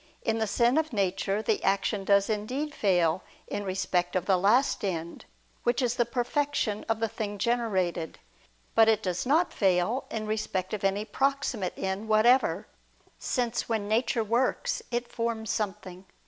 In the sin of nature, the action does indeed fail in respect of the last end, which is the perfection of the thing generated; but it does not fail in respect of any proximate end whatever; since when nature works it forms something.